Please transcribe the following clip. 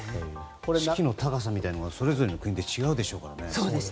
士気の高さみたいなものもそれぞれの国で違うでしょうからね。